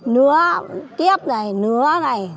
nứa kiếp này nứa này